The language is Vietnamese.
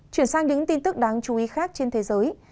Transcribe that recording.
chuyển sang những tin tức đáng chú ý khác trên thế giới